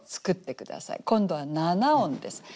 今度は七音です。